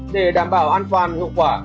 để đảm bảo an toàn hữu quả